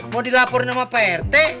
mau dilaporin sama pak rt